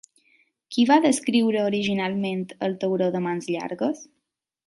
Qui va descriure originalment el tauró de mans llargues?